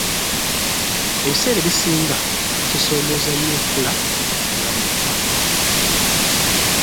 Ebiseera ebisinga kisomooza nnyo okula nga mulekwa.